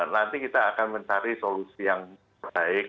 nanti kita akan mencari solusi yang baik